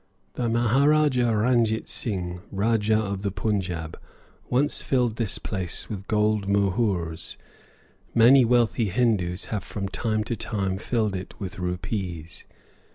The Maharajah Ranjit Singh, Rajah of the Punjab, once filled this place with gold mohurs; many wealthy Hindoos have from time to time filled it with rupees.